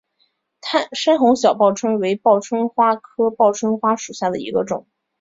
深红小报春为报春花科报春花属下的一个种。